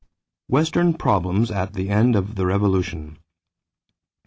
=Western Problems at the End of the Revolution.